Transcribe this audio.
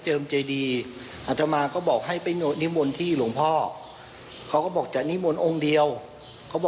รึไม่ว่างก็ไม่เหอะรู้สึกตัวไหมครับ